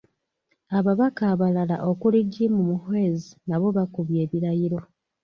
Ababaka abalala okuli Jim Muhwezi nabo bakubye ebirayiro.